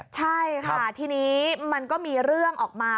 ใช่ค่ะทีนี้มันก็มีเรื่องออกมา